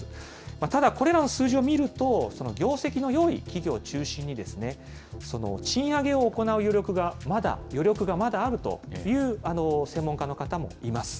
ただ、これらの数字を見ると、業績のよい企業を中心に、賃上げを行う余力がまだ、余力がまだあるという専門家の方もいます。